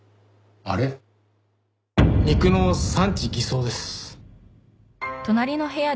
肉の産地偽装です。